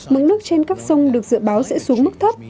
mức nước trên các sông được dự báo sẽ xuống mức thấp